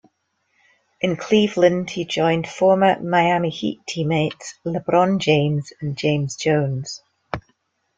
In Cleveland, he joined former Miami Heat teammates LeBron James and James Jones.